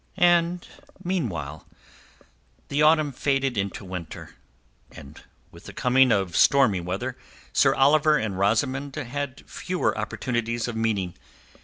And meanwhile the autumn faded into winter, and with the coming of stormy weather Sir Oliver and Rosamund had fewer opportunities of meeting.